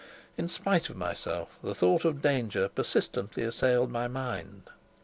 In spite of myself, the thought of danger persistently assailed my mind.